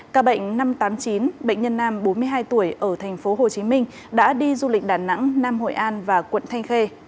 ca bệnh năm trăm tám mươi chín bệnh nhân nam bốn mươi hai tuổi ở tp hcm đã đi du lịch đà nẵng nam hội an và quận thanh khê